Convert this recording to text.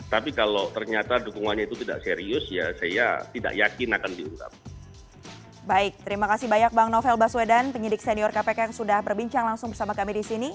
tapi kalau ternyata dukungannya itu tidak serius ya saya tidak yakin akan diungkap